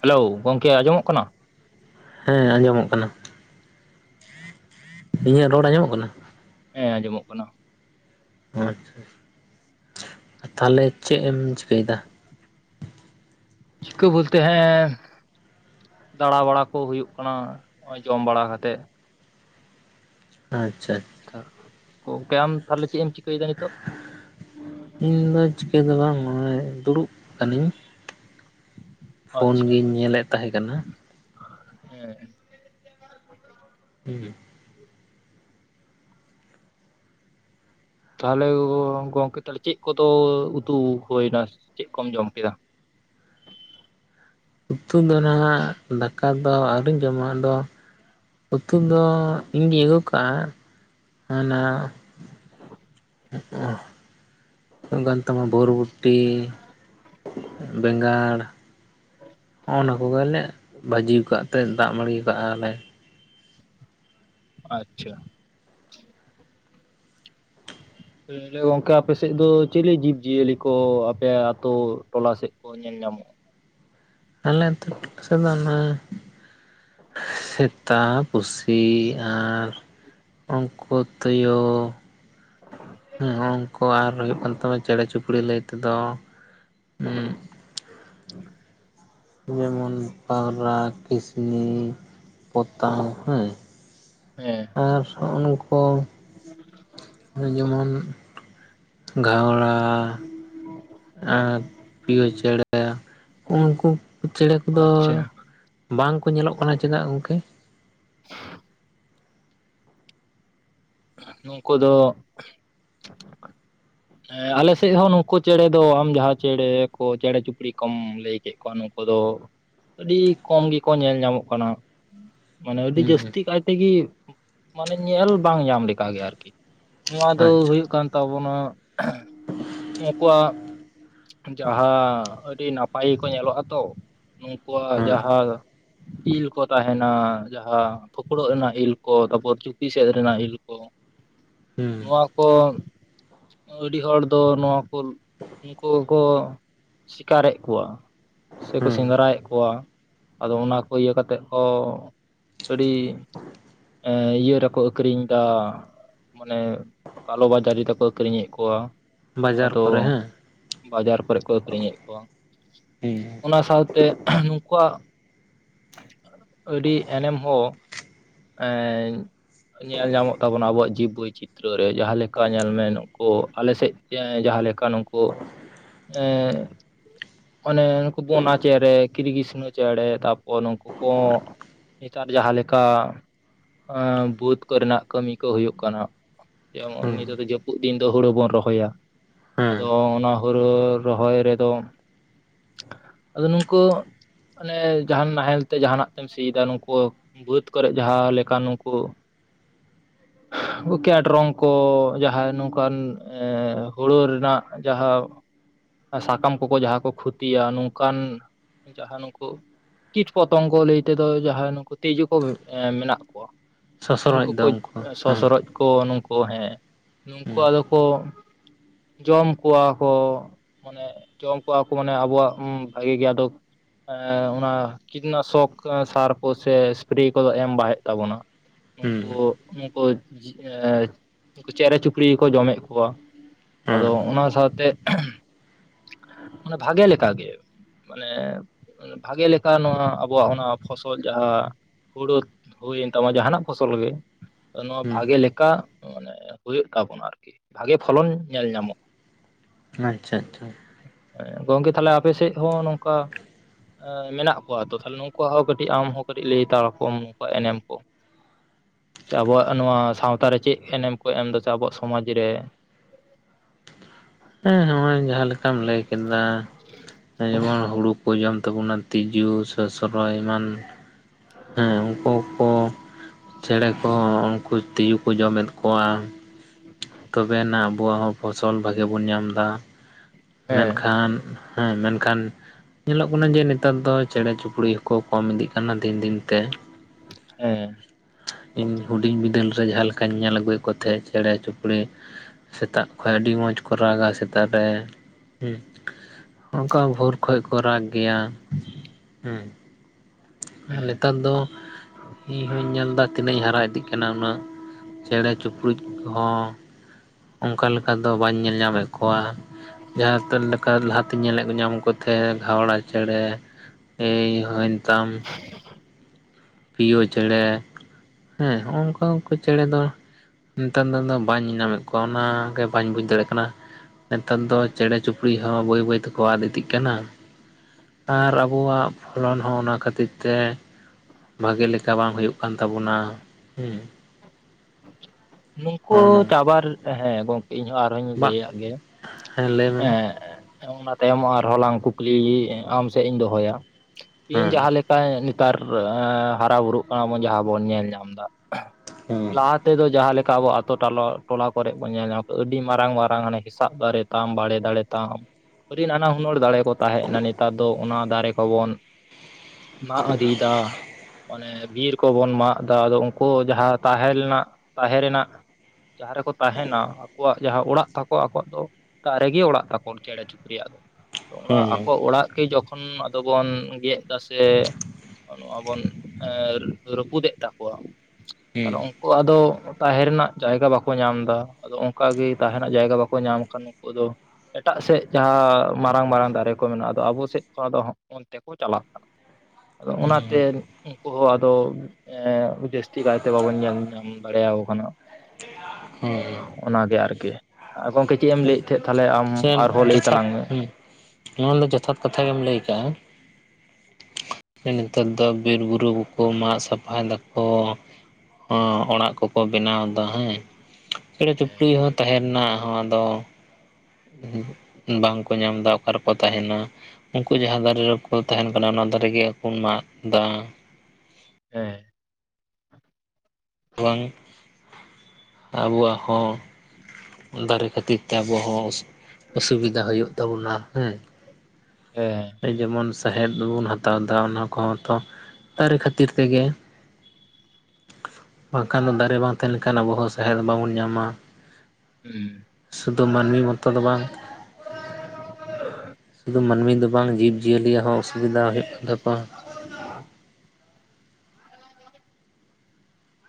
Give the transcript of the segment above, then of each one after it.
Hello ᱜᱚᱝᱠᱮ ᱟᱸᱡᱚᱢᱚᱜ ᱠᱟᱱᱟ? ᱦᱮᱸ ᱟᱸᱡᱚᱢᱚᱜ ᱠᱟᱱᱟ। ᱤᱧᱟᱹᱜ ᱨᱚᱲ ᱟᱸᱡᱚᱢᱚᱜ ᱠᱟᱱᱟ? ᱦᱮᱸ ᱟᱸᱡᱚᱢᱚᱜ ᱠᱟᱱᱟ। ᱟᱪᱪᱷᱟ ᱟᱪᱪᱷᱟ ᱛᱟᱦᱟᱞᱮ ᱪᱮᱫ ᱮᱢ ᱪᱤᱠᱟᱹᱭᱮᱫᱟ? ᱪᱤᱠᱟᱹ ᱵᱚᱞᱛᱮ ᱮᱸᱻ ᱫᱟᱬᱟ ᱵᱟᱲᱟ ᱠᱚ ᱦᱩᱭᱩᱜ ᱠᱟᱱᱟ ᱱᱚᱜ ᱚᱭ ᱡᱚᱢ ᱵᱟᱲᱟ ᱠᱟᱛᱮᱜ᱾ ᱟᱪᱪᱷᱟ᱾ ᱟᱪᱪᱷᱟ ᱜᱚᱝᱠᱮ ᱟᱢ ᱛᱟᱦᱟᱞᱮ ᱪᱮᱫ ᱮᱢ ᱪᱤᱠᱟᱹᱭᱮᱫᱟ ᱱᱤᱛᱚᱜ? ᱤᱧ ᱫᱚ ᱪᱤᱠᱟᱹ ᱫᱚ ᱵᱟᱝ ᱱᱚᱜᱚᱭ ᱫᱩᱲᱩᱵ ᱠᱟᱱᱤᱧ। ᱟᱪᱪᱷᱟ ᱜᱤᱧ ᱧᱮᱞᱮᱫ ᱛᱟᱦᱮᱸ ᱠᱟᱱᱟ ᱦᱮᱸ᱾ [inaudible] ᱛᱟᱦᱟᱞᱮ ᱜᱚᱝᱠᱮ ᱛᱟᱦᱟᱞᱮ ᱪᱮᱫ ᱠᱚᱫᱚ ᱩᱛᱩ ᱦᱩᱭ ᱮᱱᱟ ᱥᱮ ᱪᱮᱫ ᱠᱚᱢ ᱡᱚᱢ ᱠᱮᱫᱟ? ᱩᱛᱩ ᱫᱚ ᱱᱟᱦᱟᱜ ᱫᱟᱠᱟ ᱫᱚ ᱟᱹᱣᱨᱤ ᱡᱚᱢᱟ ᱟᱫᱚ ᱩᱛᱩ ᱫᱚ ᱤᱧᱜᱤᱧ ᱟᱹᱜᱩ ᱠᱟᱜᱼᱟ ᱦᱟᱱᱟ [inaudible] [unintelligible] ᱜᱚᱢᱠᱮ ᱱᱤᱛᱚᱜ ᱢᱟ ᱵᱳᱨᱵᱚᱴᱤ, ᱵᱮᱸᱜᱟᱲ᱾ ᱦᱚᱸᱜ ᱚᱱᱟ ᱠᱚᱜᱮᱞᱮ ᱵᱷᱟᱹᱡᱤ ᱟᱠᱟᱜ ᱛᱮ ᱫᱟᱜ ᱢᱟᱲᱤ ᱟᱠᱟᱜᱼᱟ ᱞᱮ᱾ ᱟᱪᱪᱷᱟ᱾ ᱛᱟᱦᱚᱞᱮ ᱜᱚᱝᱠᱮ ᱟᱯᱮ ᱥᱮᱫ ᱫᱚ ᱪᱤᱞᱤ ᱡᱤᱵᱽ ᱡᱤᱭᱟᱹᱞᱤ ᱠᱚ ᱟᱯᱮ ᱟᱹᱛᱩ ᱴᱚᱞᱟ ᱥᱮᱜ ᱠᱚ ᱧᱮᱞ ᱧᱟᱢᱚᱜᱼᱟ᱾ ᱟᱞᱮ ᱟᱹᱛᱩ [unintelligible] ᱫᱚ ᱚᱱᱟ [unintelligible] ᱛᱟ ᱯᱩᱥᱤ ᱟᱨ ᱩᱝᱠᱩ ᱛᱳᱭᱳ [inaudible] ᱦᱩ ᱩᱝᱠᱩ ᱟᱨ ᱦᱩᱭᱩᱜ ᱠᱟᱱ ᱛᱟᱢᱟ ᱪᱮᱬᱮ ᱪᱩᱯᱲᱤ ᱞᱟᱹᱭ ᱛᱮᱫᱚ ᱦᱮᱸ ᱡᱮᱢᱚᱱ ᱯᱟᱣᱨᱟ ᱠᱤᱥ ᱦᱩᱸ ᱯᱚᱛᱟᱢ ᱦᱮᱸ। ᱦᱮᱸ ᱟᱨ ᱦᱚᱦᱚ ᱱᱩᱠᱩ [inaudible] ᱡᱮᱢᱚᱱ ᱜᱷᱟᱣᱲᱟ ᱟᱨ ᱯᱤᱭᱳ ᱪᱮᱬᱮ ᱦᱩᱱᱠᱩ ᱪᱮᱬᱮ ᱠᱚᱫᱚ ᱟᱪᱪᱷᱟ ᱵᱟᱝ ᱠᱚ ᱧᱮᱞᱚᱜ ᱠᱟᱱᱟ ᱪᱮᱫᱟᱜ ᱜᱚᱝᱠᱮ? ᱱᱩᱠᱩ ᱫᱚ ᱦᱮᱸ ᱟᱞᱮ ᱥᱮᱫ ᱦᱚᱸ ᱱᱩᱠᱩ ᱪᱮᱬᱮ ᱫᱚ ᱟᱢ ᱡᱟᱦᱟᱸ ᱪᱮᱬᱮ ᱠᱚ ᱪᱮᱬᱮ ᱪᱩᱯᱲᱤ ᱠᱚᱢ ᱞᱟᱹᱭ ᱠᱮᱜ ᱠᱚ ᱱᱩᱠᱩ ᱫᱚ ᱟᱹᱰᱤ ᱠᱚᱢ ᱜᱮᱠᱚ ᱧᱮᱞ ᱧᱟᱢᱚᱜ ᱠᱟᱱᱟ᱾ ᱢᱟᱱᱮ ᱟᱹᱰᱤ ᱦᱩᱸ ᱦᱩᱸ ᱡᱟᱹᱥᱛᱤ ᱠᱟᱭ ᱛᱮᱜᱮ ᱢᱟᱱᱮ ᱧᱮᱞ ᱵᱟᱝ ᱧᱟᱢ ᱞᱮᱠᱟ ᱜᱮ ᱟᱨᱠᱤ᱾ ᱱᱚᱣᱟ ᱫᱚ ᱟᱪᱪᱷᱟ ᱦᱩᱭᱩᱜ ᱠᱟᱱ ᱛᱟᱵᱚᱱᱟ ᱱᱩᱠᱩᱣᱟᱜ ᱡᱟᱦᱟᱸ ᱟᱹᱰᱤ ᱱᱟᱯ ᱵᱷᱟᱜᱤ ᱠᱚ ᱧᱮᱞᱚᱜᱼᱟ ᱛᱚ ᱱᱩᱠᱩᱣᱟᱜ ᱦᱮᱸ ᱡᱟᱦᱟᱸ ᱤᱞ ᱠᱚ ᱛᱟᱦᱮᱸᱱᱟ ᱡᱟᱦᱟᱸ ᱯᱷᱟᱠᱲᱟᱹᱜ ᱨᱮᱱᱟᱜ ᱤᱞ ᱠᱚ ᱛᱟᱯᱚᱨ ᱪᱩᱯᱤ ᱥᱮᱫ ᱨᱮᱱᱟᱜ ᱤᱞ ᱠᱚ ᱦᱩᱸ ᱱᱚᱣᱟ ᱠᱚ ᱟᱹᱰᱤ ᱦᱚᱲ ᱫᱚ ᱱᱚᱣᱟ ᱠᱚ ᱩᱱᱠᱩ ᱜᱮᱠᱚ ᱥᱤᱠᱟᱨᱮᱜ ᱠᱚᱣᱟ᱾ ᱥᱮᱠᱚ ᱦᱩᱸ ᱥᱮᱸᱫᱽᱨᱟᱭᱮᱜ ᱠᱚᱣᱟ᱾ ᱟᱫᱚ ᱚᱱᱟ ᱠᱚ ᱤᱭᱟᱹ ᱠᱟᱛᱮᱫ ᱠᱚ ᱟᱹᱰᱤ ᱮᱸ ᱤᱭᱟᱹ ᱨᱮᱠᱚ ᱟᱹᱠᱷᱨᱤᱧ ᱫᱟ ᱢᱟᱱᱮ ᱠᱟᱞᱳ ᱵᱟᱡᱟᱨᱤ ᱛᱮᱠᱚ ᱟᱹᱠᱷᱨᱤᱧᱮᱜ ᱠᱚᱣᱟ᱾ ᱵᱟᱡᱟᱨ ᱟᱫᱚ ᱠᱚᱨᱮ ᱦᱮᱸ ᱵᱟᱡᱟᱨ ᱠᱚᱨᱮᱜ ᱠᱚ ᱟᱹᱠᱷᱨᱤᱧᱮᱜ ᱠᱚᱣᱟ᱾ ᱦᱮᱸ ᱚᱱᱟ ᱥᱟᱶ ᱛᱮ ᱱᱩᱠᱩᱣᱟᱜ ᱟᱹᱰᱤ ᱮᱱᱮᱢ ᱦᱚᱸ ᱮᱸᱻ ᱧᱮᱞ ᱧᱟᱢᱚᱜ ᱛᱟᱵᱚᱱᱟ ᱟᱵᱚᱣᱟᱜ ᱡᱤᱵᱽ ᱵᱟᱹᱭᱪᱤᱛ ᱪᱤᱛᱨᱚ ᱨᱮ ᱡᱟᱦᱟᱸ ᱞᱮᱠᱟ ᱧᱮᱞ ᱢᱮ ᱱᱩᱠᱩ ᱟᱞᱮ ᱥᱮᱫ ᱡᱟᱦᱟᱸ ᱞᱮᱠᱟ ᱱᱩᱠᱩ ᱮᱸᱻ ᱢᱟᱱᱮ ᱱᱩᱠᱩ ᱵᱚᱱᱟ ᱪᱮᱬᱮ ᱠᱤᱨᱤ ᱠᱤᱥᱱᱚ ᱪᱮᱬᱮ ᱛᱟᱨᱯᱚᱨ ᱱᱩᱠᱩ ᱠᱚᱸᱜ ᱱᱮᱛᱟᱨ ᱡᱟᱦᱟᱸ ᱞᱮᱠᱟ ᱮᱸ ᱵᱟᱹᱫ ᱠᱚᱨᱮ ᱱᱟᱜ ᱠᱟᱹᱢᱤ ᱠᱚ ᱦᱩᱭᱩᱜ ᱠᱟᱱᱟ ᱡᱮᱢᱚᱱ ᱦᱮᱸ ᱱᱤᱛᱚᱜ ᱫᱚ ᱡᱟᱹᱯᱩᱫ ᱫᱤᱱ ᱫᱚ ᱦᱩᱲᱩ ᱵᱚᱱ ᱨᱚᱦᱚᱭᱟ ᱟᱫᱚ ᱦᱮᱸ ᱚᱱᱟ ᱦᱳᱲᱳ ᱨᱚᱦᱚᱭ ᱨᱮᱫᱚ ᱟᱫᱚ ᱱᱩᱝᱠᱩ ᱚᱱᱮ ᱡᱟᱦᱟᱱ ᱱᱟᱦᱮᱞ ᱛᱮ ᱡᱟᱦᱟᱸᱱᱟᱜ ᱛᱮᱢ ᱥᱤᱭᱮᱫᱟ ᱱᱩᱠᱩ ᱵᱟᱹᱫᱽ ᱠᱚᱨᱮ ᱡᱟᱦᱟᱸ ᱞᱮᱠᱟ ᱱᱩᱠᱩ ᱠᱮᱸᱰᱨᱚᱝ ᱠᱚ ᱡᱟᱦᱟᱸᱭ ᱱᱚᱝᱠᱟᱱ ᱮᱸ ᱦᱳᱲᱳ ᱨᱮᱱᱟᱜ ᱡᱟᱦᱟᱸ ᱥᱟᱠᱟᱢ ᱠᱚᱠᱚ ᱡᱟᱦᱟᱸ ᱠᱚ ᱠᱷᱚᱛᱤᱭᱟ ᱱᱚᱝᱠᱟᱱ ᱡᱟᱦᱟᱸ ᱱᱩᱠᱩ ᱠᱤᱴ ᱯᱚᱛᱚᱝᱜᱚ ᱠᱚ ᱞᱟᱹᱭ ᱛᱮᱫᱚ ᱡᱟᱦᱟᱸ ᱱᱩᱠᱩ ᱛᱤᱡᱩ ᱠᱚ ᱢᱮᱱᱟᱜ ᱠᱚᱣᱟ ᱥᱚᱥᱨᱚᱡ ᱱᱩᱝᱠᱩ ᱫᱚ ᱠᱚ ᱩᱱᱠᱩ ᱦᱮᱸ ᱥᱚᱥᱚᱨᱚᱡ ᱠᱚᱻ ᱱᱩᱠᱩ ᱦᱮᱸᱻ, ᱱᱩᱠᱩ ᱦᱮᱸ ᱟᱫᱚ ᱠᱚᱻ ᱡᱚᱢ ᱠᱚᱣᱟ ᱠᱚᱻ ᱢᱟᱱᱮᱻ ᱡᱚᱢ ᱠᱚᱣᱟ ᱠᱚ ᱢᱟᱱᱮ ᱟᱵᱚᱣᱟᱜ ᱩᱸ ᱵᱷᱟᱜᱤ ᱜᱮ ᱟᱫᱚ ᱮᱸᱟᱸᱻ ᱚᱱᱟᱻ ᱠᱤᱴᱱᱟᱥᱚᱠ ᱥᱟᱨ ᱠᱚ ᱥᱮ ᱥᱯᱨᱮ ᱠᱚᱫᱚ ᱮᱢ ᱵᱟᱝ ᱦᱩᱭᱩᱜ ᱛᱟᱵᱚᱱᱟ ᱦᱮᱸ ᱩᱱᱠᱩ ᱩᱱᱠᱩ ᱠᱚ ᱪᱮᱬᱮ - ᱪᱩᱯᱲᱤ ᱠᱚ ᱡᱚᱢᱮᱜ ᱠᱚᱣᱟ ᱟᱫᱚᱻ ᱦᱮᱸ ᱚᱱᱟ ᱥᱟᱶᱛᱮ, ᱵᱷᱟᱜᱮ ᱞᱮᱠᱟ ᱜᱮ ᱢᱟᱱᱮ ᱵᱷᱟᱜᱮ ᱞᱮᱠᱟ ᱱᱚᱜᱚ ᱱᱚᱣᱟ ᱟᱵᱚᱣᱟᱜ ᱯᱷᱚᱥᱚᱞ ᱡᱟᱦᱟ ᱦᱳᱲᱳ ᱦᱩᱭᱮᱱ ᱛᱟᱢᱟ ᱡᱟᱦᱟᱱᱟᱜ ᱯᱷᱚᱥᱚᱞ ᱜᱮ, ᱱᱚᱣᱟ ᱦᱩᱸ ᱵᱷᱟᱜᱮ ᱞᱮᱠᱟᱻᱜ ᱮᱻ ᱦᱩᱭᱩᱜ ᱛᱟᱵᱚᱱᱟ ᱟᱨᱠᱤ ᱵᱷᱟᱜᱮ ᱯᱷᱚᱞᱚᱱ ᱧᱮᱞ ᱧᱟᱢᱚᱜᱼᱟ ᱟᱪᱪᱷᱟ ᱻ ᱟᱪᱪᱷᱟ ᱜᱚᱝᱠᱮ ᱛᱟᱦᱚᱞᱮ ᱟᱯᱮ ᱥᱮᱫ ᱦᱚᱸ ᱱᱚᱝᱠᱟ ᱮᱸ ᱢᱮᱱᱟᱜ ᱠᱚᱣᱟ ᱛᱚ ᱛᱟᱦᱞᱮ ᱱᱩᱝᱠᱩᱣᱟᱜ ᱦᱚᱸ ᱠᱟᱹᱴᱤᱡ ᱟᱢ ᱦᱚᱸ ᱠᱟᱹᱴᱤᱡ ᱞᱟᱹᱭ ᱛᱟᱠᱚᱢ ᱱᱩᱝᱠᱩᱣᱟᱜ ᱮᱱᱮᱢ ᱠᱚ ᱥᱮ ᱟᱵᱚᱣᱟᱜ ᱱᱚᱣᱟᱻ ᱥᱟᱶᱛᱟᱨᱮ ᱪᱮᱫ ᱮᱱᱮᱢ ᱠᱚ ᱮᱢ ᱮᱫᱟ ᱥᱮ ᱟᱵᱚᱣᱟᱜ ᱥᱚᱢᱟᱡᱽ ᱨᱮ ᱦᱩᱸ ᱱᱚᱜᱚᱭ ᱡᱟᱦᱟᱸ ᱞᱮᱠᱟᱢ ᱞᱟᱹᱭ ᱠᱮᱫᱟ ᱮᱸ ᱡᱮᱢᱚᱱ ᱦᱩᱲᱩ ᱠᱚ ᱡᱚᱢ ᱛᱟᱵᱩᱱᱟ ᱛᱸᱤᱡᱩᱻ ᱥ-ᱥᱚᱨᱚᱡ ᱮᱢᱟᱱᱻ ᱦᱮᱸ ᱩᱱᱠᱩ ᱠᱚ ᱪᱮᱬᱮ ᱠᱚᱦᱚᱸ ᱩᱱᱠᱩ ᱛᱤᱡᱩ ᱠᱚ ᱡᱚᱢᱮᱫ ᱠᱚᱣᱟ ᱛᱚᱵᱮᱭᱱᱟ ᱟᱵᱚᱣᱟᱜ ᱦᱚᱸ ᱯᱷᱚᱥᱚᱞ ᱵᱷᱟᱜᱮ ᱵᱚ ᱧᱟᱢ ᱮᱫᱟ ᱦᱮᱸ ᱢᱮᱱᱠᱷᱟᱱᱻ ᱦᱮᱸ ᱢᱮᱱᱠᱷᱟᱱ ᱧᱮᱞᱚᱜ ᱠᱟᱱᱟ ᱡᱮ ᱱᱮᱛᱟᱨ ᱫᱚᱻ ᱪᱮᱬᱮ ᱪᱩᱯᱲᱤᱜ ᱦᱚᱸᱠᱚ ᱠᱚᱢ ᱤᱫᱤᱜ ᱠᱟᱱᱟ ᱫᱤᱱ - ᱫᱤᱱ ᱛᱮ ᱦᱮᱸ ᱤᱧ ᱦᱩᱰᱤᱧ ᱵᱤᱫᱟᱹᱞ ᱨᱮ ᱡᱟᱦᱟᱸ ᱞᱮᱠᱟᱧ ᱧᱮᱞ ᱟᱹᱜᱩᱭᱮᱜ ᱠᱚ ᱛᱟᱷᱮᱡ ᱪᱮᱬᱮ ᱪᱩᱯᱲᱤ ᱥᱮᱛᱟᱜ ᱠᱷᱚᱭ ᱟᱹᱰᱤ ᱢᱚᱸᱡᱽ ᱠᱚ ᱨᱟᱜᱟ ᱥᱮᱛᱟᱜ ᱨᱮᱻ ᱦᱩᱸ ᱚᱱᱠᱟ ᱵᱷᱳᱨ ᱠᱷᱚᱭᱜ ᱠᱚ ᱨᱟᱜ ᱜᱮᱭᱟᱻ ᱦᱩᱸ ᱟᱨ ᱦᱮᱸ ᱱᱮᱛᱟᱨ ᱫᱚ ᱤᱧ ᱦᱚᱸᱧ ᱧᱮᱞ ᱮᱫᱟ ᱛᱤᱱᱟᱹᱜ ᱤᱧ ᱦᱟᱨᱟᱜ ᱤᱫᱤᱜ ᱠᱟᱱᱟ ᱩᱱᱟᱹᱜ, ᱪᱮᱬᱮ ᱪᱩᱯᱲᱩᱡ ᱠᱚᱦᱚᱸ ᱚᱱᱠᱟ ᱞᱮᱠᱟ ᱫᱚ ᱵᱟᱹᱧ ᱧᱮᱞ ᱧᱟᱢᱮᱜ ᱠᱚᱣᱟ ᱡᱟᱦᱟᱸ ᱛᱮᱫ ᱞᱮᱠᱟ ᱞᱟᱦᱟᱛᱮᱧ ᱧᱮᱞᱮᱜ ᱧᱟᱢ ᱠᱚ ᱛᱟᱦᱮ ᱜᱷᱟᱣᱨᱟ ᱪᱮᱬᱮᱻ ᱮᱭ ᱦᱩᱣᱮᱱ ᱛᱟᱢ ᱯᱤᱭᱳ ᱪᱮᱬᱮᱻ ᱦᱮᱸ, ᱱᱚᱜᱚ ᱱᱚᱝᱠᱟᱱ ᱠᱚ ᱪᱮᱬᱮ ᱫᱚᱻ ᱱᱮᱛᱟᱨ ᱫᱚ ᱟᱫᱚ ᱵᱟᱧ ᱧᱮᱞᱧᱢᱮᱫ ᱠᱚᱣᱟ ᱚᱱᱟᱻᱜᱮ ᱵᱟᱹᱧ ᱵᱩᱡᱽ ᱫᱟᱲᱮᱭᱟᱜ ᱠᱟᱱᱟ ᱱᱮᱛᱟᱨ ᱫᱚ ᱪᱮᱬᱮ ᱪᱩᱯᱲᱤᱡ ᱦᱚᱸ ᱵᱟᱹᱭ - ᱵᱟᱹᱭ ᱛᱮᱠᱚ ᱟᱫ ᱤᱫᱤᱜ ᱠᱟᱱᱟ ᱟᱨ ᱟᱵᱚᱣᱟᱜ ᱯᱷᱚᱞᱚᱱ ᱦᱚᱸ ᱚᱱᱟ ᱠᱷᱟᱹᱛᱤᱨ ᱛᱮ ᱵᱷᱟᱜᱤ ᱞᱮᱠᱟ ᱵᱟᱝ ᱦᱩᱭᱩᱜ ᱠᱟᱱ ᱛᱟᱵᱚᱱᱟᱻ ᱦᱩᱸ ᱱᱩᱝᱠᱩ ᱱᱚᱜᱼᱚ ᱱᱚᱝ ᱪᱟᱵᱟ ᱞᱮᱠᱟ ᱻ ᱦᱮᱸ ᱜᱚᱝᱠᱮ ᱤᱧᱦᱚᱸ ᱟᱨ ᱱᱚᱜᱚᱭ ᱤᱧ ᱵᱟᱝ ᱞᱟᱹᱭᱟᱜ ᱜᱮ ᱦᱮᱸ ᱞᱟᱹᱭ ᱢᱮ ᱮᱸᱻᱮᱸ ᱚᱱᱟ ᱛᱟᱭᱚᱢ ᱟᱨᱦᱚᱸᱞᱟᱝ ᱠᱩᱠᱞᱤᱻ ᱟᱢ ᱥᱮᱜ ᱤᱧ ᱫᱚᱦᱚᱭᱟ ᱤᱧ ᱦᱮᱸ ᱡᱟᱦᱟᱸ ᱞᱮᱠᱟ ᱟᱭ ᱱᱮᱛᱟᱨ ᱦᱟᱨᱟ ᱵᱩᱨᱩᱜ ᱠᱟᱱᱟ ᱵᱚᱱ ᱡᱟᱦᱟᱸ ᱵᱚᱱ ᱧᱮᱞ ᱧᱟᱢ ᱫᱟ ᱦᱩᱸ ᱟᱨ ᱛᱮ ᱫᱚ ᱡᱟᱦᱟ ᱞᱮᱠᱟ ᱟᱵᱚ ᱴᱟᱞᱚ - ᱴᱚᱞᱟ ᱠᱚᱨᱮᱜ ᱧᱮ ᱧᱟᱢ ᱟᱹᱰᱤ ᱢᱟᱨᱟᱝ - ᱢᱟᱨᱟᱝ ᱦᱟᱱᱮ ᱦᱤᱥᱟᱜ ᱫᱟᱨᱮ ᱛᱟᱢ ᱵᱟᱲᱮ ᱫᱟᱲᱮ ᱛᱟᱢ ᱟᱹᱰᱤ ᱱᱟᱱᱟ ᱦᱩᱱᱟᱹᱨ ᱫᱟᱨᱮ ᱠᱚ ᱛᱟᱦᱮᱸᱜ ᱱᱟ ᱱᱮᱛᱟᱨ ᱫᱚ ᱚᱱᱟ ᱫᱟᱨᱮ ᱠᱚᱵᱚᱱ᱾ ᱢᱟᱜ ᱟᱫᱤᱭᱮᱫᱟ ᱚᱱᱮ ᱵᱤᱨ ᱠᱚᱵᱚᱱ ᱢᱟᱜ ᱫᱟ ᱟᱫᱚ ᱩᱱᱠᱩ ᱡᱟᱦᱟᱛ᱾ ᱛᱟᱦᱮᱞᱱᱟᱜ ᱛᱟᱦᱮᱸ ᱨᱮᱱᱟᱜ ᱡᱟᱦᱟᱸ ᱨᱮᱠᱚ ᱛᱟᱦᱮᱱᱟ ᱟᱠᱚᱣᱟᱜ ᱡᱟᱦᱟᱸ ᱚᱲᱟᱜ ᱛᱟᱠᱚ ᱟᱠᱚᱣᱟᱜ ᱫᱚ ᱫᱟᱨᱮ ᱜᱮ ᱚᱲᱟᱜ ᱛᱟᱠᱚ ᱪᱮᱬᱮ ᱪᱩᱯᱨᱤᱭᱟᱜ ᱫᱚ ᱛᱚ ᱚᱱᱟ ᱦᱮᱸ ᱟᱠᱚᱣᱟᱜ ᱚᱲᱟᱜ ᱜᱮ ᱡᱚᱠᱷᱚ ᱩᱱ ᱟᱫᱚ ᱵᱚᱱᱻ ᱤᱡᱮ ᱛᱟᱥᱮᱻᱜ ᱱᱚᱣᱟ ᱵᱚᱱ ᱮᱸ ᱨᱟᱹᱯᱩᱫ ᱮᱜ ᱛᱟᱠᱚᱣᱟ ᱛᱟᱦᱚᱞᱮ ᱦᱮᱸ ᱟᱫᱚ ᱩᱝᱠᱩ ᱟᱫᱚ ᱛᱟᱦᱮᱸ ᱨᱮᱱᱟᱜ ᱡᱟᱭᱜᱟ ᱵᱟᱠᱚ ᱧᱟᱢ ᱫᱟ ᱟᱫᱚ ᱚᱱᱠᱟᱜᱮ ᱛᱟᱦᱮᱸᱱᱟᱜ ᱡᱟᱭᱜᱟ ᱵᱟᱠᱚ ᱧᱟᱢ ᱠᱷᱟᱱ ᱩᱱᱠᱩ ᱫᱚ᱾ ᱮᱴᱟᱜ ᱥᱮᱜ ᱡᱟᱦᱟᱸ ᱢᱟᱨᱟᱝᱼᱢᱟᱨᱟᱝ ᱫᱟᱨᱮ ᱠᱚ ᱢᱮᱱᱟᱜᱼᱟ ᱟᱫᱚ ᱟᱵᱚ ᱥᱮᱜ ᱫᱚ ᱦᱚᱸᱠ ᱛᱮᱠᱚ ᱪᱟᱞᱟᱜ ᱠᱟᱱᱟ ᱟᱫᱚ ᱚᱱᱟᱛᱮ ᱦᱮᱸ ᱩᱱᱠᱩ ᱦᱚᱸ ᱟᱫᱚ ᱮᱸᱡᱟᱥᱛᱤ ᱠᱟᱭᱛᱮ ᱛᱮ ᱵᱟᱵᱚᱱ ᱧᱮᱞ ᱧᱟᱢ ᱫᱟᱲᱮᱣᱟᱠᱚ ᱠᱟᱱᱟ ᱦᱮᱸ ᱚᱱᱟᱜᱮ ᱟᱨᱠᱤ ᱜᱚᱝᱠᱮ ᱪᱮᱫ ᱮᱢ ᱞᱟᱹᱭᱮᱫ ᱛᱷᱮᱜ ᱛᱟᱦᱚᱞᱮ ᱟᱢ ᱥᱮ ᱟᱨᱦᱚᱸ ᱞᱟᱹᱭ ᱡᱚᱛᱷᱟᱛ ᱛᱟᱞᱟᱝ ᱢᱮ? ᱦᱮᱸ ᱱᱚᱣᱟ ᱫᱚ ᱡᱚᱛᱷᱟᱛ ᱠᱟᱛᱷᱟ ᱜᱮᱢ ᱞᱟᱹᱭ ᱠᱟᱜᱼᱟ ᱱᱮᱛᱟᱨ ᱫᱚ ᱵᱤᱨᱼᱵᱩᱨᱩ ᱠᱚᱠᱚ ᱢᱟᱜ ᱥᱟᱯᱷᱟᱭ ᱫᱟᱛᱚ᱾ ᱦᱚᱸ ᱚᱲᱟᱜ ᱠᱚᱠᱚ ᱵᱮᱱᱟᱣ ᱮᱫᱟ ᱦᱮᱸ ᱪᱮᱬᱮ ᱪᱩᱯᱲᱤ ᱦᱚᱸ ᱛᱟᱦᱮᱸᱱᱟ ᱦᱚᱸ ᱟᱫᱚ᱾ ᱦᱩᱸ ᱦᱩᱸᱵᱟᱝᱠᱚ ᱧᱟᱢ ᱫᱟ ᱚᱠᱟ ᱨᱮᱠᱚ ᱛᱟᱦᱮᱱᱟ᱾ ᱩᱱᱠᱩ ᱡᱟᱦᱟᱸ ᱫᱟᱨᱮ ᱨᱮᱠᱚ ᱛᱟᱦᱮᱱ ᱠᱟᱱᱟ ᱚᱱᱟ ᱫᱟᱨᱮᱜ ᱜᱮ ᱵᱚᱱ ᱟᱠᱩ ᱢᱟᱜ ᱫᱟ ᱦᱮᱸ ᱵᱟᱝ ᱟᱵᱚᱣᱟᱜ ᱦᱚᱸ ᱫᱟᱨᱮ ᱠᱷᱟᱹᱛᱤᱨ ᱛᱮ ᱟᱵᱚ ᱦᱚᱸ ᱩᱥ ᱚᱥᱩᱵᱤᱫᱟ ᱦᱩᱭᱩᱜ ᱛᱟᱵᱚᱱᱟ ᱦᱮᱸ ᱦᱮᱸ ᱡᱮᱢᱚᱱ ᱥᱟᱦᱮᱸᱫ ᱵᱚᱱ ᱦᱟᱛᱟᱣ ᱫᱟ ᱚᱱᱟ ᱠᱚᱦᱚᱸ ᱛᱚ ᱫᱟᱨᱮ ᱠᱷᱟᱹᱛᱤᱨ ᱛᱮᱜᱮ ᱵᱟᱝᱠᱷᱟᱱ ᱫᱚ ᱫᱟᱨᱮ ᱵᱟᱝ ᱛᱟᱦᱮᱸ ᱞᱮᱱᱠᱷᱟᱱ ᱟᱵᱚ ᱦᱚᱸ ᱥᱟᱦᱮᱫ ᱵᱟᱵᱚᱱ ᱧᱟᱢᱟ᱾ ᱦᱩᱸ ᱥᱩᱫᱩ ᱢᱟᱹᱱᱢᱤ ᱢᱚᱛᱚ ᱫᱚ ᱵᱟᱝ ᱥᱩᱫᱷᱩ ᱢᱟᱹᱱᱢᱤ ᱫᱚ ᱵᱟᱝ ᱡᱤᱵᱽᱡᱤᱭᱟᱹᱞᱤᱭᱟᱜ ᱦᱚᱸ ᱚᱥᱩᱵᱤᱫᱷᱟ ᱦᱩᱭᱩᱜ ᱠᱟᱱ ᱛᱟᱠᱚᱣᱟ ᱩᱠᱩᱨᱣᱟ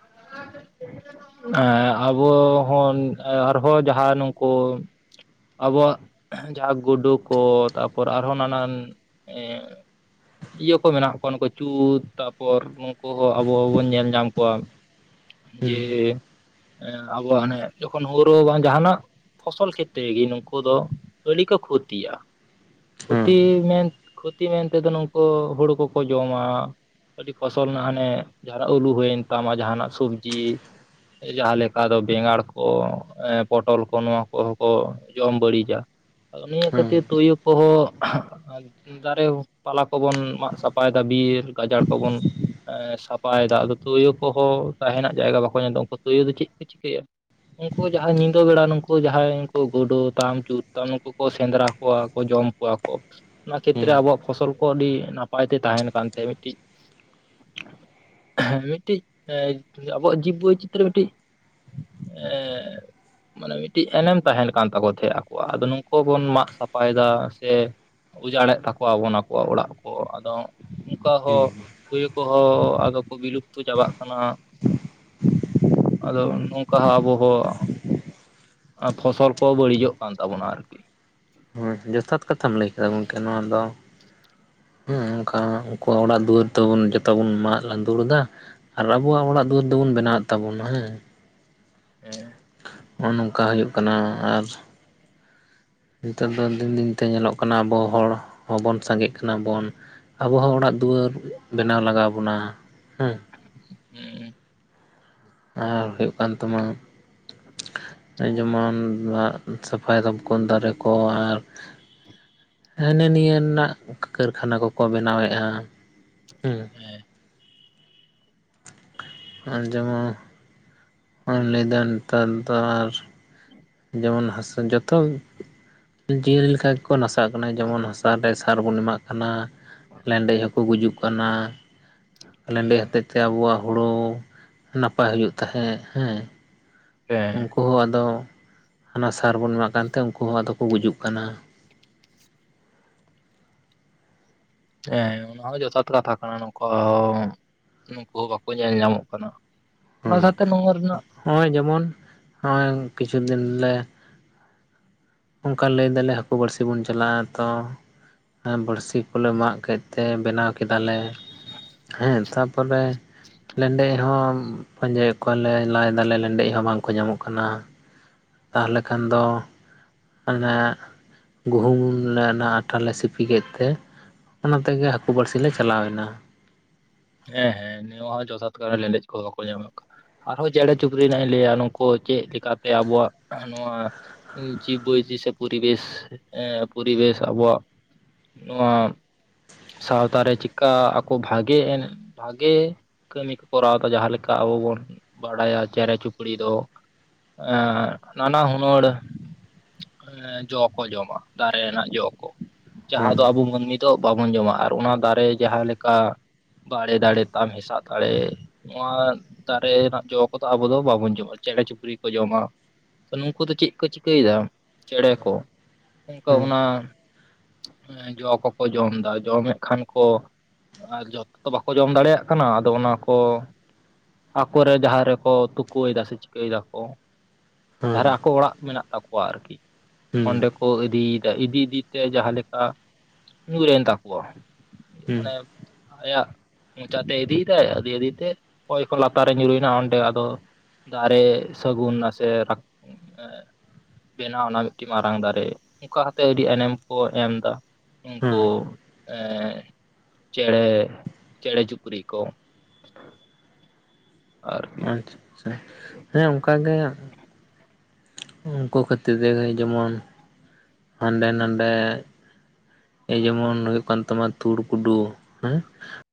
ᱚᱠᱟ ᱥᱮᱫ ᱛᱮ ᱪᱮᱫ ᱪᱚᱝ ᱮᱸ ᱟᱵᱚ ᱦᱚᱸ ᱟᱨᱦᱚᱸ ᱡᱟᱦᱟᱸ ᱱᱩᱝᱠᱩ᱾ ᱟᱵᱚᱣᱟᱜ ᱦᱮᱸᱡᱟᱦᱟᱸ ᱜᱩᱰᱩ ᱠᱚ ᱛᱟᱯᱚᱨ ᱟᱨᱦᱚᱸ ᱱᱟᱱᱟᱱ ᱮᱸ ᱤᱭᱟᱹ ᱠᱚ ᱢᱮᱱᱟᱜ ᱠᱚᱣᱟ ᱱᱩᱠᱩ ᱪᱩᱛ ᱛᱟᱯᱚᱨ ᱱᱩᱝᱠᱩ ᱦᱚᱸ ᱟᱵᱚ ᱵᱚᱱ ᱧᱮᱞ ᱧᱟᱢ ᱠᱚᱣᱟ᱾ ᱦᱩᱸ ᱡᱮ ᱮᱸ ᱟᱵᱚᱣᱟᱜ ᱚᱱᱮ ᱡᱚᱠᱷᱚᱱ ᱦᱩᱲᱳ ᱵᱟᱝ ᱡᱟᱦᱟᱱᱟᱜ ᱯᱷᱚᱥᱚᱞ ᱠᱷᱮᱛ ᱛᱮᱜᱮ ᱱᱩᱝᱠᱩ ᱫᱚ ᱟᱹᱰᱤ ᱠᱚ ᱠᱷᱚᱛᱤᱣᱟ ᱦᱩᱸ ᱠᱷᱚᱛᱤ ᱢᱮᱱ ᱠᱷᱚ ᱠᱷᱚᱛᱤ ᱢᱮᱱ ᱛᱮᱫᱚ ᱱᱩᱝᱠᱩ ᱦᱩᱲᱩ ᱠᱚᱠᱚ ᱡᱚᱢᱟ ᱟᱹᱰᱤ ᱯᱷᱚᱥᱚᱞ ᱨᱮᱱᱟᱜ ᱦᱟᱱᱮ ᱡᱟᱦᱟᱱᱟᱜ ᱟᱹᱞᱩ ᱦᱩᱭᱮᱱ ᱛᱟᱢᱟ ᱡᱟᱦᱟᱱᱟᱜ ᱥᱚᱵᱡᱤ᱾ ᱡᱟᱦᱟ ᱞᱮᱠᱟ ᱫᱚ ᱵᱮᱸᱜᱟᱲ ᱠᱚ ᱯᱚᱴᱚᱞ ᱠᱚ ᱱᱚᱣᱟ ᱠᱚᱦᱚᱸ ᱠᱚ ᱡᱚᱢ ᱵᱟᱹᱲᱤᱡ ᱡᱟ ᱱᱤᱭᱟᱹ ᱦᱩᱸ ᱠᱷᱟᱹᱛᱤᱨ ᱛᱚᱣᱚ ᱠᱚᱦᱚᱸ ᱦᱟᱸᱜ ᱫᱟᱨᱮ ᱯᱟᱞᱟ᱾ ᱠᱚᱵᱚᱱ ᱢᱟᱜ ᱥᱟᱯᱷᱟᱭᱮᱫᱟ ᱵᱤᱨ ᱜᱟᱡᱟᱲ ᱠᱚᱵᱚᱱ᱾ ᱮᱸ ᱥᱟᱯᱷᱟᱭᱮᱫᱟ ᱟᱫᱚ ᱛᱚᱭᱳ ᱠᱚᱦᱚᱸ ᱛᱟᱦᱮᱱᱟᱜ ᱡᱟᱭᱜᱟ ᱵᱟᱠᱚ ᱧᱟᱢᱫᱟ ᱩᱱᱠᱩ ᱛᱚᱣᱚᱫᱚ ᱪᱮᱫ ᱠᱚ ᱪᱤᱠᱟᱹᱭᱟ ᱩᱱᱠᱩ ᱡᱟᱦᱟᱸᱭ ᱧᱤᱫᱟᱹ ᱵᱮᱲᱟ ᱱᱩᱝᱠᱩ ᱡᱟᱦᱟᱸᱭ ᱩᱱᱠᱩ ᱜᱩᱰᱩ ᱛᱟᱢ ᱪᱩᱛ ᱛᱟᱢ ᱱᱩᱠᱩ ᱠᱚ ᱥᱮᱸᱫᱽᱨᱟ ᱠᱚᱣᱟ ᱠᱚ ᱡᱚᱢ ᱾ ᱡᱚᱢ ᱠᱚᱣᱟ ᱠᱚ ᱚᱱᱟ ᱠᱷᱮᱛᱨᱮ ᱦᱩᱸ ᱟᱵᱚᱣᱟᱜ ᱯᱷᱚᱥᱚᱞ ᱠᱚ ᱟᱹᱰᱤ ᱱᱟᱯᱟᱭ ᱛᱮ ᱛᱟᱦᱮᱱ ᱠᱟᱱ ᱛᱮ ᱢᱤᱫᱴᱤᱡ ᱦᱮᱸ ᱢᱤᱫᱴᱤᱡ ᱦᱮᱸ ᱟᱵᱚᱣᱟᱜ ᱡᱤᱵᱽ ᱵᱳᱭᱪᱤᱛᱨᱚ ᱢᱤᱫᱴᱤᱡ ᱦᱮᱸ ᱢᱟᱱᱮ ᱢᱤᱫᱴᱤᱡ ᱮᱱᱮᱢ ᱛᱟᱦᱮᱱ ᱠᱟᱱ ᱛᱟᱠᱚ ᱛᱟᱦᱮᱸ ᱟᱠᱚ ᱟᱜ ᱟᱫᱚ ᱱᱚᱝᱠᱚ ᱵᱚᱱ ᱢᱟᱜ ᱥᱟᱯᱷᱟᱭ ᱫᱟ ᱥᱮ ᱩᱡᱟᱲ ᱮᱫ ᱛᱟᱠᱚᱣᱟᱵᱚᱱ ᱟᱠᱚ ᱚᱲᱟᱜ ᱠᱚ ᱟᱫᱚ ᱚᱱᱠᱟ ᱦᱚᱸ ᱦᱩᱸ ᱛᱩᱭᱩ ᱠᱚᱦᱚᱸ ᱟᱫᱚ ᱠᱚ ᱵᱤᱞᱩᱯᱛᱚ ᱪᱟᱵᱟᱜ ᱠᱟᱱᱟ ᱟᱫᱚ ᱱᱚᱝᱠᱟ ᱦᱚ ᱟᱵᱚ ᱦᱚᱸ ᱯᱷᱚᱥᱚᱞ ᱠᱚ ᱵᱟᱹᱲᱤᱡᱚᱜ ᱠᱟᱱ ᱛᱟᱵᱚᱱᱟ ᱟᱨᱠᱤ ᱡᱚᱛᱷᱟᱛ ᱠᱟᱛᱷᱟᱢ ᱞᱟᱹᱭ ᱠᱮᱫᱟ ᱜᱚᱢᱠᱮ ᱱᱚᱣᱟ ᱫᱚ ᱦᱮᱸ ᱚᱱᱠᱟ ᱩᱱᱠᱩᱣᱟᱜ ᱚᱲᱟᱜ ᱫᱩᱣᱟᱹᱨ ᱛᱮᱵᱚᱱ ᱡᱚᱛᱚ ᱵᱚᱱ ᱢᱟᱜ ᱞᱟᱹᱫᱩᱲ ᱮᱫᱟ ᱟᱨ ᱟᱵᱚᱣᱟᱜ ᱚᱲᱟᱜ ᱫᱩᱣᱟᱹᱨ ᱫᱚᱵᱚᱱ ᱵᱮᱱᱟᱣᱮᱫ ᱛᱟᱵᱚᱱᱟ ᱦᱮᱸ ᱦᱮᱸ ᱱᱚᱜᱼᱚ ᱱᱚᱝᱠᱟ ᱦᱩᱭᱩᱜ ᱠᱟᱱᱟ ᱟᱨ ᱱᱮᱛᱚᱝ ᱫᱚ ᱫᱤᱱ ᱫᱤᱱᱛᱮ ᱧᱮᱞᱚᱜ ᱠᱟᱱᱟ ᱟᱵᱚ ᱦᱚᱲ ᱦᱚᱸᱵᱚᱱ ᱥᱟᱸᱜᱮᱜ ᱠᱟᱱᱟ ᱵᱚᱱ ᱟᱵᱚ ᱦᱚᱸ ᱚᱲᱟᱜ ᱫᱩᱣᱟᱹᱨ ᱵᱮᱱᱟᱣ ᱞᱟᱜᱟᱣ ᱵᱚᱱᱟ ᱦᱩᱸ ᱦᱩᱸ ᱟᱨ ᱦᱩᱭᱩᱜ ᱠᱟᱱ ᱛᱟᱢᱟ ᱡᱮᱢᱚᱱ ᱥᱟᱯᱷᱟᱭ ᱛᱟᱵ ᱚ ᱫᱟᱨᱮ ᱠᱚ ᱟᱨ ᱦᱮᱱᱮ ᱱᱤᱭᱟᱹ ᱨᱮᱱᱟᱜ ᱠᱟᱹᱨᱠᱷᱟᱱᱟ ᱠᱚᱠᱚ ᱵᱮᱱᱟᱣᱮᱫᱼᱟ ᱦᱮᱸ [unintelligible] ᱟᱨ ᱡᱮᱢᱚᱱ ᱵᱚᱱ ᱞᱟᱹᱫᱟ ᱱᱮᱛᱟᱨ ᱫᱚ ᱟᱨ ᱡᱮᱢᱚᱱ ᱦᱟᱥᱟ ᱡᱚᱛᱚ ᱡᱤᱭᱟᱹᱞᱤ ᱞᱮᱠᱟ ᱜᱮᱠᱚ ᱱᱟᱥᱟᱜ ᱠᱟᱱᱟ ᱡᱮᱢᱚᱱ ᱦᱟᱥᱟ ᱥᱟᱨ ᱵᱚᱱ ᱮᱢᱟᱜ ᱠᱟᱱᱟ ᱞᱮᱸᱰᱮᱡ ᱦᱚᱸᱠᱚ ᱜᱩᱡᱩᱜ ᱠᱟᱱᱟ ᱞᱮᱸᱰᱮᱡ ᱦᱚᱛᱮᱫ ᱛᱮ ᱟᱵᱚᱣᱟᱜ ᱦᱳᱲᱳ ᱱᱟᱯᱟᱭ ᱦᱩᱭᱩᱜ ᱛᱟᱦᱮᱸᱜ ᱦᱮᱸ [unintelligible] ᱩᱱᱠᱩ ᱦᱚᱸ ᱟᱫᱚ ᱦᱟᱱᱟ ᱥᱟᱨ ᱵᱚᱱ ᱮᱢᱟᱜ ᱠᱟᱱ ᱛᱮ ᱩᱱᱠᱩ ᱦᱚᱸ ᱟᱫᱚ ᱠᱚ ᱜᱩᱡᱩᱜ ᱠᱟᱱᱟ ᱦᱮᱸ ᱚᱱᱟ ᱦᱚᱸ ᱡᱚᱛᱷᱟᱛ ᱠᱟᱛᱷᱟ ᱠᱟᱱᱟ ᱱᱚᱝᱠᱟ ᱱᱩᱠᱩ ᱦᱚᱸ ᱵᱟᱠᱚ ᱧᱮᱞ ᱧᱟᱢᱚᱜ ᱠᱟᱱᱟ ᱚᱱᱟ ᱥᱟᱶᱛᱮ ᱱᱚᱣᱟ ᱨᱮᱱᱟᱜ ᱦᱚᱜ-ᱚᱭ ᱡᱮᱢᱚᱱ ᱦᱚᱜ-ᱚᱭ ᱠᱤᱪᱷᱩ ᱫᱤᱱ ᱞᱮ ᱚᱱᱠᱟ ᱞᱟᱹᱭ ᱫᱟᱞᱮ ᱦᱟᱹᱠᱩ ᱵᱟᱹᱲᱥᱤ ᱵᱚᱱ ᱪᱟᱞᱟᱜ-ᱟ ᱛᱚ ᱵᱟᱹᱲᱥᱤ ᱠᱚᱞᱮ ᱢᱟᱜ ᱠᱮᱫ ᱛᱮ ᱵᱮᱱᱟᱣ ᱠᱮᱫᱟ ᱞᱮ ᱦᱮᱸ ᱛᱟᱯᱚᱨᱮ ᱞᱮᱸᱰᱮᱡ ᱦᱚᱸ ᱯᱟᱸᱡᱟᱹᱭᱮᱫ ᱠᱚᱣᱟᱞᱮ ᱞᱟᱭᱫᱟᱞᱮ ᱞᱮᱸᱰᱮᱡ ᱦᱚᱸ ᱵᱟᱝᱠᱚ ᱧᱟᱢᱚᱜ ᱠᱟᱱᱟ ᱛᱟᱦᱚᱞᱮ ᱠᱷᱟᱱ ᱫᱚ ᱚᱱᱮ ᱜᱩᱦᱩᱢ ᱞᱮ ᱚᱱᱟ ᱟᱴᱟ ᱞᱮ ᱥᱤᱯᱤ ᱠᱮᱫ ᱛᱮ ᱚᱱᱟ ᱛᱮᱜᱮ ᱦᱟᱹᱠᱩ ᱵᱟᱹᱲᱥᱤ ᱞᱮ ᱪᱟᱞᱟᱣᱱᱟ ᱦᱮᱸ ᱦᱮᱸ ᱱᱤᱭᱟᱹ ᱦᱚᱸ ᱡᱚᱛᱷᱟᱛ ᱠᱟᱛᱷᱟ ᱞᱮᱸᱰᱮᱡ ᱠᱚ ᱵᱟᱠᱚ ᱧᱟᱢᱚᱜ ᱠᱟᱱᱟ ᱟᱨᱦᱚᱸ ᱪᱮᱬᱮ ᱪᱩᱯᱲᱤ ᱨᱮᱱᱟᱜ ᱤᱧ ᱞᱟᱹᱭᱟ ᱱᱩᱠᱩ ᱪᱮᱫ ᱞᱮᱠᱟᱛᱮ ᱟᱵᱚᱣᱟᱜ ᱱᱚᱣᱟ [unintelligible] ᱯᱚᱨᱤᱵᱮᱥ ᱯᱚᱨᱤᱵᱮᱥ ᱟᱵᱚᱣᱟᱜ ᱱᱚᱣᱟ ᱥᱟᱶᱛᱟᱨᱮ ᱪᱮᱫᱠᱟ ᱟᱠᱚ ᱵᱷᱟᱜᱮ ᱮᱱ ᱵᱷᱟᱜᱮ ᱠᱟᱹᱢᱤ ᱠᱚ ᱠᱚᱨᱟᱣᱫᱟ ᱡᱟᱦᱟᱸ ᱞᱮᱠᱟ ᱟᱵᱚ ᱵᱚᱱ ᱵᱟᱰᱟᱭᱟ ᱪᱮᱬᱮ ᱪᱩᱯᱲᱤ ᱫᱚ ᱮᱜ ᱱᱟᱱᱟ ᱦᱩᱱᱟᱹᱨ ᱡᱚ ᱠᱚ ᱡᱚᱢᱟ ᱫᱟᱨᱮ ᱨᱮᱱᱟᱜ ᱡᱚ ᱠᱚ ᱡᱟᱦᱟᱸ ᱦᱩᱸ ᱫᱚ ᱟᱵᱚ ᱢᱟᱹᱱᱢᱤ ᱫᱚ ᱵᱟᱵᱚᱱ ᱡᱚᱢᱟ ᱟᱨ ᱚᱱᱟ ᱫᱟᱨᱮ ᱡᱟᱦᱟᱸ ᱞᱮᱠᱟ ᱵᱟᱲᱮ ᱫᱟᱲᱮ ᱛᱟᱢ ᱦᱮᱥᱟᱜ ᱫᱟᱲᱮ ᱱᱚᱣᱟ ᱫᱟᱨᱮ ᱨᱮᱱᱟᱜ ᱡᱚ ᱠᱚᱫᱚ ᱟᱵᱚ ᱫᱚ ᱵᱟᱵᱚᱱ ᱡᱚᱢᱟ ᱪᱮᱬᱮ ᱪᱤᱯᱲᱤ ᱠᱚ ᱡᱚᱢᱟ ᱱᱩᱝᱠᱩ ᱫᱚ ᱪᱮᱫ ᱠᱚ ᱪᱤᱠᱟᱹᱭᱮᱫᱟ ᱪᱮᱬᱮ ᱠᱚ ᱚᱱᱠᱟ ᱦᱩᱸ ᱚᱱᱟ ᱮ ᱡᱚ ᱠᱚᱠᱚ ᱡᱚᱢ ᱮᱫᱟ ᱡᱚᱢᱮᱫ ᱠᱷᱟᱱ ᱠᱚ ᱟᱨ ᱡᱚᱛ ᱛᱚ ᱵᱟᱠᱚ ᱡᱚᱢ ᱫᱟᱲᱮᱭᱟᱜ ᱠᱟᱱᱟ ᱟᱫᱚ ᱚᱱᱟ ᱠᱚ ᱟᱠᱚᱨᱮ ᱡᱟᱦᱟᱸ ᱨᱮᱠᱚ ᱛᱩᱠᱩᱭᱮᱫᱟ ᱥᱮ ᱪᱤᱠᱟᱹᱭ ᱫᱟᱠᱚ ᱦᱩᱸ ᱡᱟᱦᱟᱸᱨᱮ ᱟᱠᱚ ᱚᱲᱟᱜ ᱢᱮᱱᱟᱜ ᱛᱟᱠᱚᱣᱟ ᱟᱨᱠᱤ ᱦᱩᱸ ᱚᱸᱰᱮ ᱠᱚ ᱤᱫᱤᱭᱮᱫᱟ ᱤᱫᱤ ᱤᱫᱤᱛᱮ ᱡᱟᱦᱟᱸ ᱞᱮᱠᱟ ᱧᱩᱨᱮᱱ ᱛᱟᱠᱚᱣᱟ ᱦᱩᱸ ᱢᱟᱱᱮ ᱟᱭᱟᱜ ᱢᱚᱪᱟᱛᱮ ᱤᱫᱤᱭᱮᱫᱟᱭ ᱤᱫᱤ ᱤᱫᱤᱭᱛᱮ ᱚᱠᱚᱭ ᱠᱚ ᱞᱟᱛᱟᱨᱮ ᱧᱩᱨᱩᱭᱮᱱᱟ ᱚᱸᱰᱮ ᱟᱫᱚ ᱫᱟᱨᱮ ᱥᱟᱹᱜᱩᱱ ᱱᱟᱥᱮ ᱨᱟ ᱵᱮᱱᱟᱣᱱᱟ ᱢᱤᱫᱴᱤᱡ ᱢᱟᱨᱟᱝ ᱫᱟᱨᱮ ᱚᱱᱠᱟ ᱠᱟᱛᱮ ᱟᱹᱰᱤ ᱮᱱᱮᱢ ᱠᱚ ᱮᱢᱫᱟ ᱩᱱᱠᱩ ᱦᱩᱸ ᱮ ᱪᱮᱬᱮ ᱪᱮᱲᱮ ᱪᱩᱯᱩᱨᱤᱡ ᱠᱚ ᱟᱨᱠᱤ ᱟᱪᱪᱷᱟ ᱟᱪᱷᱟ ᱦᱮᱸ ᱚᱱᱠᱟ ᱜᱮ ᱩᱱᱠᱩ ᱠᱷᱟᱹᱛᱤᱨ ᱛᱮᱜᱮ ᱡᱮᱢᱚᱱ ᱦᱟᱸᱰᱮ ᱱᱟᱰᱮ ᱮᱭ ᱡᱮᱢᱚᱱ ᱦᱩᱭᱩᱜ ᱠᱟᱱ ᱛᱟᱢᱟ ᱛᱩᱲ ᱠᱩᱰᱩ ᱦᱮᱸ